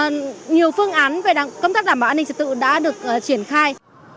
và nhiều phương án về công tác đảm bảo an ninh trật tự đã được triển khai